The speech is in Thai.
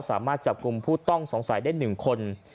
สามารถจับกลุ่มผู้ต้องสงสัยได้๑คน